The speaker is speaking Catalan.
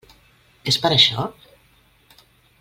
És per això?